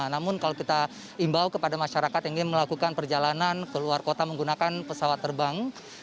namun kalau kita imbau kepada masyarakat yang ingin melakukan perjalanan ke luar kota menggunakan pesawat terbang